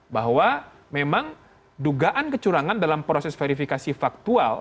bahwa memang dugaan kecurangan dalam proses verifikasi faktual